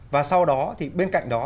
và sau đó thì bên cạnh đó